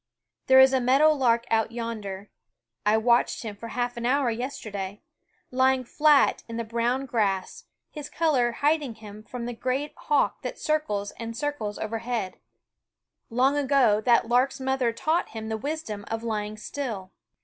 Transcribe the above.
TU j i i j T On me Way Ihere is a meadow lark out yonder I fy School ' watched him for half an hour yesterday lying flat in the brown grass, his color hid ing him from the great hawk that circles and circles overhead. Long ago that lark's mother taught him the wisdom of lying still.